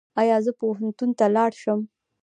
ایا زه پوهنتون ته لاړ شم؟